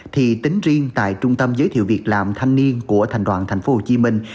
thì tính riêng tại trung tâm giới thiệu việc làm thanh niên của thành đoàn thành phố hồ chí minh